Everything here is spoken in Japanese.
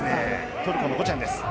トルコのゴチェンです。